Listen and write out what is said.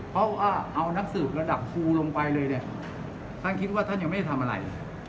เพราะว่าเอานักสืบระดับครูลงไปเลยเนี่ยท่านคิดว่าท่านยังไม่ได้ทำอะไร